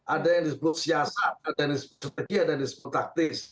ada yang disebut siasat ada yang sebagian ada yang disebut taktis